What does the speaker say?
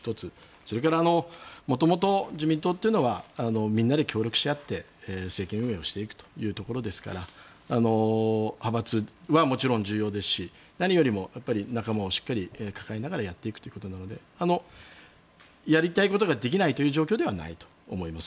それから元々、自民党というのはみんなで協力し合って政権運営をしていくところですから派閥はもちろん重要ですし何よりも仲間をしっかり抱えながらやっていくということなのでやりたいことができないという状況ではないと思います。